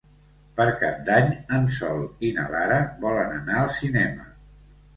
Per Cap d'Any en Sol i na Lara volen anar al cinema.